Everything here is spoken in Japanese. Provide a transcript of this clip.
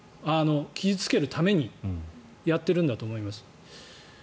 傷付けるためにやってるんだと思います。